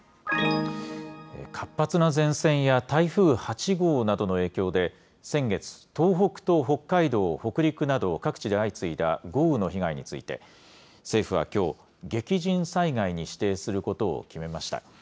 活発な前線や台風８号などの影響で、先月、東北と北海道、北陸など、各地で相次いだ豪雨の被害について、政府はきょう、激甚災害に指定することを決めました。